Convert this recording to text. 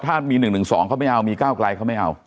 ถ้ามี๑๑๒เขาไม่เอามีก้าวไกลเขาไม่เอา